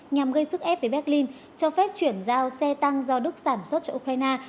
nhằm gây sức ép với berlin cho phép chuyển giao xe tăng do đức sản xuất cho ukraine